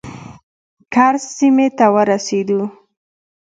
کرز سیمې ته ورسېدو.